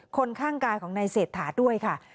คนข้างกายของนายเศรษฐาด้วยค่ะ